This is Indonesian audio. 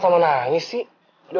eh kok malah sama nangis sih